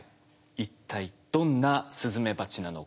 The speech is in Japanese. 一体どんなスズメバチなのか？